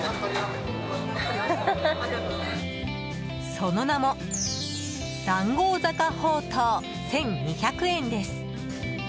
その名も、談合坂ほうとう１２００円です。